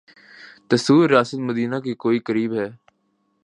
تصور ریاست مدینہ کے کوئی قریب ہے۔